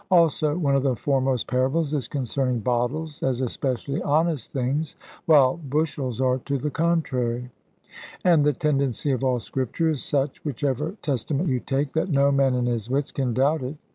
Also one of the foremost parables is concerning bottles, as especially honest things (while bushels are to the contrary), and the tendency of all Scripture is such whichever Testament you take that no man in his wits can doubt it.